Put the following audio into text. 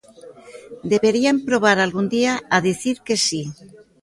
Deberían probar algún día a dicir que si.